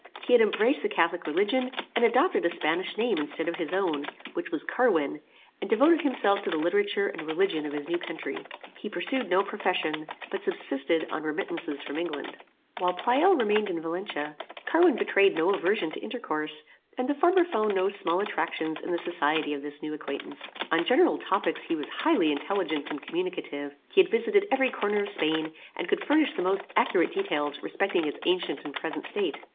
He had embraced the catholic religion, and adopted a Spanish name instead of his own, which was CARWIN, and devoted himself to the literature and religion of his new country. He pursued no profession, but subsisted on remittances from England. While Pleyel remained in Valencia, Carwin betrayed no aversion to intercourse, and the former found no small attractions in the society of this new acquaintance. On general topics he was highly intelligent and communicative. He had visited every corner of Spain, and could furnish the most accurate details respecting its ancient and present state.